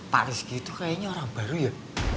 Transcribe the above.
pak rizky itu kayaknya orang baru ya